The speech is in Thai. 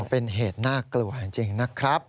เป็นเหตุน่ากลัวจริงนะครับ